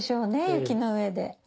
雪の上で。